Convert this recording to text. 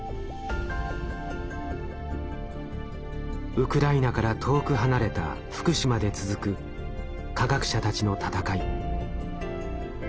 ウクライナから遠く離れた福島で続く科学者たちの闘い。